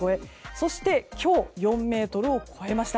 そして今日、４ｍを超えました。